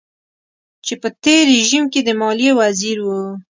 چې په تېر رژيم کې د ماليې وزير و.